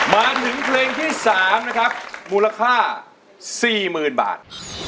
มาถึงเพลงที่๓นะครับมูลค่า๔๐๐๐บาท